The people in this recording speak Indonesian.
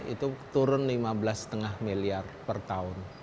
itu turun lima belas lima miliar per tahun